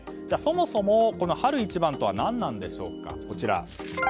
じゃあ、そもそも春一番とは何なんでしょうか。